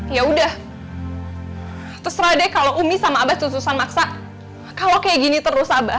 ya udah terserah deh kalau umi sama abah sususan maksa kalau kayak gini terus abah